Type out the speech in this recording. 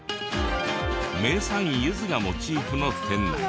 名産ゆずがモチーフの店内。